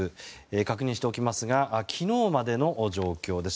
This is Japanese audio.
確認しておきますが昨日までの状況です。